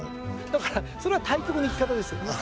だからそれは対極の生き方ですよね。